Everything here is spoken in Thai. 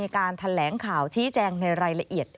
การแถลงข่าวชี้แจงในรายละเอียด